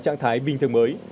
trạng thái bình thường mới